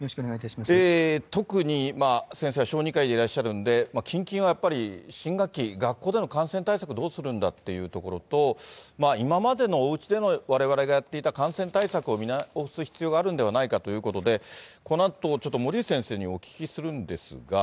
特に先生は小児科医でいらっしゃるんで、近々はやっぱり新学期、学校での感染対策、どうするんだっていうところと、今までのおうちでの、われわれがやっていた感染対策を見直す必要があるんではないかということで、このあとちょっと、森内先生にお聞きするんですが。